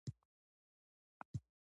د دې وسیلې په اختراع سره ژوند بدل شو.